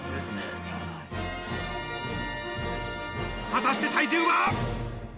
果たして体重は。